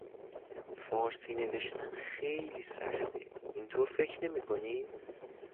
فارسی نوشتن خیلی سخته! اینطور فکر نمیکنی؟